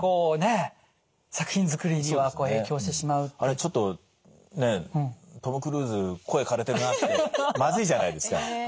ちょっとねえトム・クルーズ声かれてるなってまずいじゃないですか。